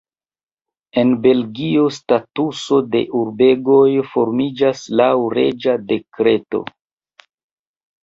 En Belgio statuso de urbegoj formiĝas laŭ reĝa dekreto.